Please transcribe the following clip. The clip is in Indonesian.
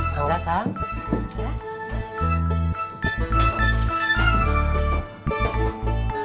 mau lah kang